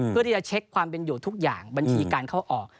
เพื่อที่จะเช็คความเป็นอยู่ทุกอย่างบัญชีการเข้าออก